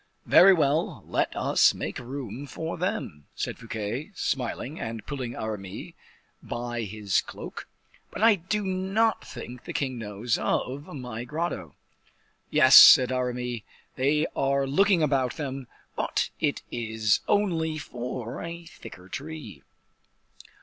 "Very well; let us make room for them," said Fouquet, smiling and pulling Aramis by his cloak; "but I do not think the king knows of my grotto." "Yes," said Aramis, "they are looking about them, but it is only for a thicker tree."